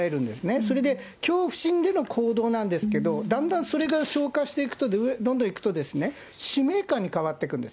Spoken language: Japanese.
それで恐怖心での行動なんですけど、だんだんそれが昇華していくと、どんどんいくとですね、使命感に変わっていくんです。